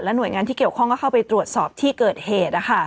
หน่วยงานที่เกี่ยวข้องก็เข้าไปตรวจสอบที่เกิดเหตุ